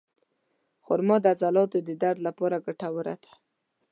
خرما د عضلاتو د درد لپاره ګټوره ده.